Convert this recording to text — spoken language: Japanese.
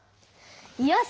よし！